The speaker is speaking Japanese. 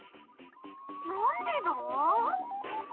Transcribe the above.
なんでだ？